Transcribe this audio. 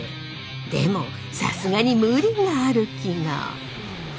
でもさすがに無理がある気が。